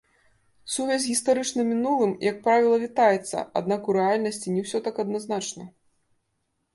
Сувязь з гістарычным мінулым, як правіла, вітаецца, аднак у рэальнасці не ўсё так адназначна.